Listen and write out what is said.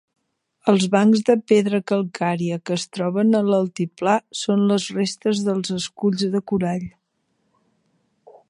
Els bancs de pedra calcària que es troben a l'altiplà són les restes dels esculls de corall.